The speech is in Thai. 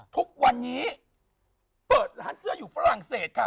ทุกวันนี้เปิดร้านเสื้ออยู่ฝรั่งเศสค่ะ